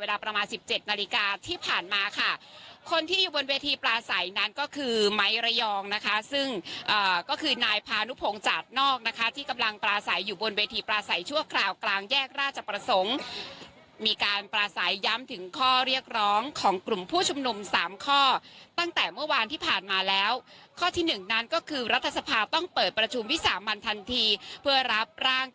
เวลาประมาณสิบเจ็ดนาฬิกาที่ผ่านมาค่ะคนที่อยู่บนเวทีปลาใสนั้นก็คือไม้ระยองนะคะซึ่งก็คือนายพานุพงศาสนอกนะคะที่กำลังปลาใสอยู่บนเวทีปลาใสชั่วคราวกลางแยกราชประสงค์มีการปราศัยย้ำถึงข้อเรียกร้องของกลุ่มผู้ชุมนุมสามข้อตั้งแต่เมื่อวานที่ผ่านมาแล้วข้อที่หนึ่งนั้นก็คือรัฐสภาต้องเปิดประชุมวิสามันทันทีเพื่อรับร่าง